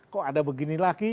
kok ada begini lagi